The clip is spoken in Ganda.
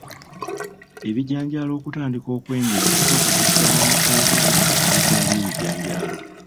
Ebijanjaalo okutandika okwengera kiva ku busaanyi obulya ebikoola by’ebijanjaalo.